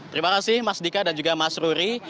terima kasih mas dika dan juga mas ruri